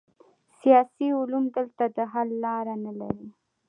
سیاسي علوم دلته د حل لاره نلري.